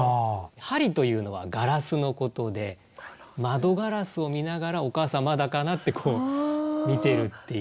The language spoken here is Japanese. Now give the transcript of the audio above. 「玻璃」というのはガラスのことで窓ガラスを見ながら「お母さんまだかな」ってこう見てるっていう。